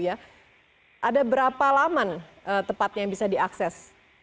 ada berapa laman tepatnya yang bisa diakses